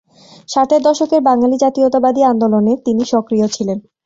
ষাটের দশকের বাঙালি জাতীয়তাবাদী আন্দোলনে তিনি সক্রিয় ছিলেন।